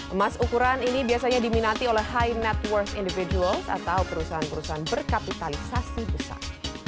emas ukuran ini biasanya diminati oleh high networks individuals atau perusahaan perusahaan berkapitalisasi besar